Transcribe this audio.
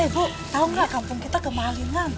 ibu tahu nggak kampung kita kemalingan